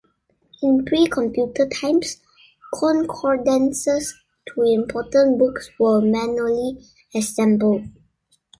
In pre-computer times, concordances to important books were manually assembled.